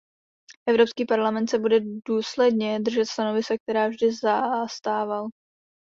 Evropský parlament se bude důsledně držet stanovisek, která vždy zastával.